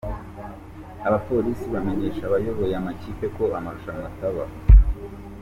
Abapolisi bamenyesha abayoboye amakipe ko amarushanwa ataba.